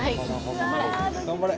頑張れ！